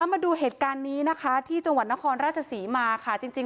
มาดูเวทย์การนี้นะคะที่จังหวัดนครราชสีมาค่ะจริงจริง